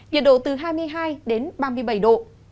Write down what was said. nhiệt độ từ hai mươi hai đến ba mươi bảy độ